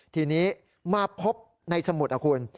ทีนี้มาพบในสมุดนะคุณ